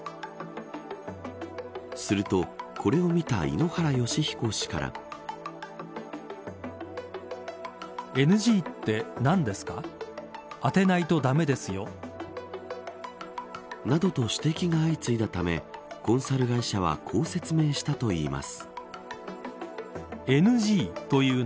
すると、これを見た井ノ原快彦氏から。などと指摘が相次いだためコンサル会社はこう説明したといいます。